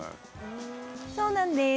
そうなんです。